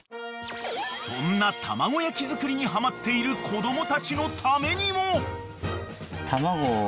［そんな卵焼き作りにはまっている子供たちのためにも］